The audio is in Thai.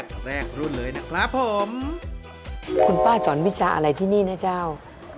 กรูผู้สืบสารล้านนารุ่นแรกแรกรุ่นเลยนะครับผม